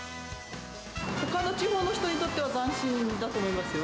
ほかの地方の人にとっては斬新だと思いますよ。